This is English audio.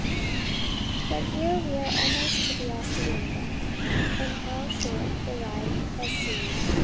" But here we are almost to the hacienda, and how short the ride has seemed.